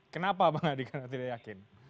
kenapa pak adhika tidak yakin